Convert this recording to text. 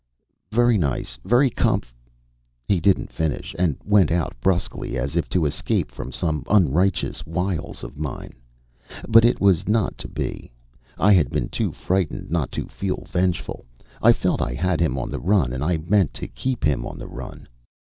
"Very nice. Very comf..." He didn't finish and went out brusquely as if to escape from some unrighteous wiles of mine. But it was not to be. I had been too frightened not to feel vengeful; I felt I had him on the run, and I meant to keep him on the run.